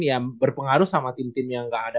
ya berpengaruh sama tim tim yang gak ada